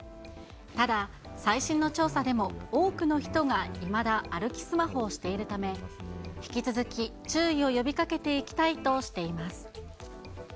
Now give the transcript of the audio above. ただ、最新の調査でも、多くの人がいまだ歩きスマホをしているため、引き続き、注意を呼びかけていきたいとしています。